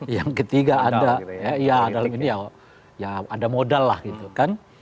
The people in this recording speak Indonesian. yang ketiga ada ya dalam ini ya ada modal lah gitu kan